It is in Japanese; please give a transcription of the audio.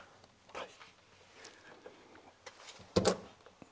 はい。